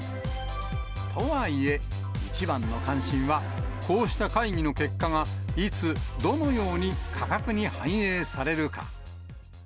とはいえ、一番の関心は、こうした会議の結果が、いつ、どのように価格に反映されるか。